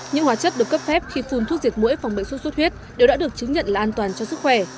những hóa chất được cấp phép khi phun thuốc diệt mũi phòng bệnh sốt xuất huyết đều đã được chứng nhận là an toàn cho sức khỏe